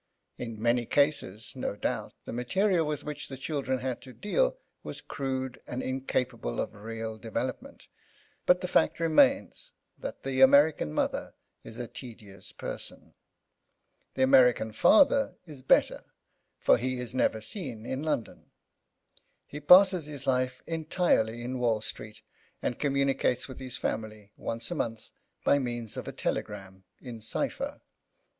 In many cases, no doubt, the material with which the children had to deal was crude and incapable of real development; but the fact remains that the American mother is a tedious person. The American father is better, for he is never seen in London. He passes his life entirely in Wall Street and communicates with his family once a month by means of a telegram in cipher.